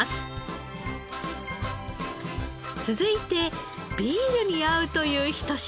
続いてビールに合うという一品。